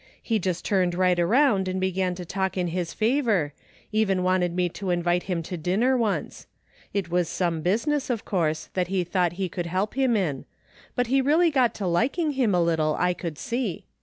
He just turned right arotmd and began to talk in his favor, even wanted me to invite him to dinner once. It was some business, of course, that he thought he could help him in; but he really got to liking him a little I could see.